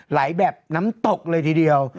ไหลแบบน้ำตกเลยทีเดียว